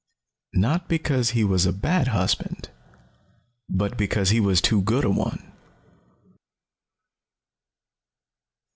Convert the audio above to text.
Not because he was a bad husband, but because he was too good a one!